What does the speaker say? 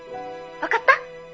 ☎分かった？